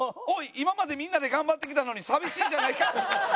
今までみんなで頑張ってきたのに寂しいじゃないか！」